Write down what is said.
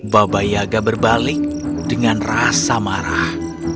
baba yaga berbalik dengan rasa marah